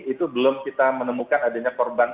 itu belum kita menemukan adanya korban